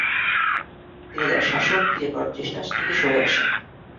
তিনি তার শাসন ফিরে পাওয়ার চেষ্টা থেকে সরে আসেন।